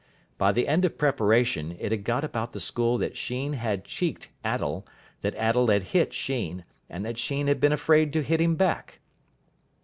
By the end of preparation it had got about the school that Sheen had cheeked Attell, that Attell had hit Sheen, and that Sheen had been afraid to hit him back.